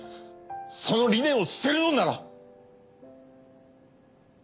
その理念を捨てるのなら。